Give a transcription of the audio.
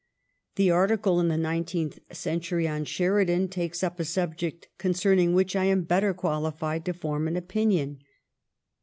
The arti cle in " The Nineteenth Century " on Sheridan takes up a subject concerning which I am better qualified to form an opinion.